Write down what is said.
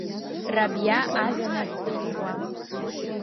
Рабиа ажәҩан ахь дыԥшуа.